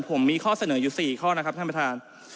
ผมมีข้อเสนออยู่๔ข้อนะครับท่านประธาน